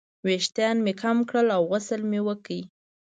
ویښتان مې کم کړل او غسل مې وکړ.